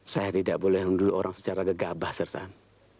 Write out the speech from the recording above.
saya tidak boleh membelu orang secara gegabah sersan